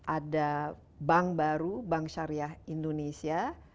ada bank baru bank syariah indonesia